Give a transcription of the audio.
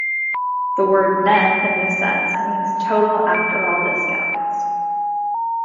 The word "net" in this sense means "total after all discounts.